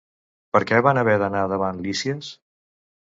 Per què van haver d'anar davant Lísies?